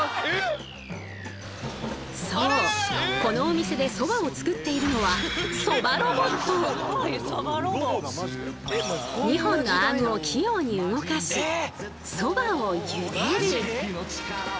このお店でそばを作っているのは２本のアームを器用に動かしそばを茹でる。